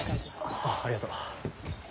ああありがとう。